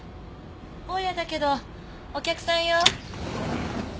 大家だけどお客さんよ。